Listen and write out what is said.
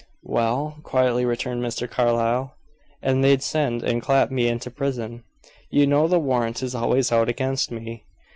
"Well?" quietly returned Mr. Carlyle. "And they'd send and clap me into prison. You know the warrant is always out against me."